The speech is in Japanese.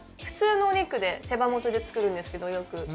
普通のお肉で手羽元で作るんですけどよく。